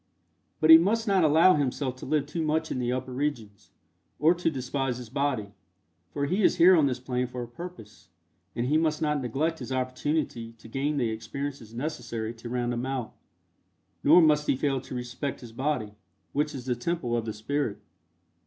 But he must not allow himself to live too much in the upper regions, or to despise his body, for he is here on this plane for a purpose, and he must not neglect his opportunity to gain the experiences necessary to round him out, nor must he fail to respect his body, which is the Temple of the Spirit.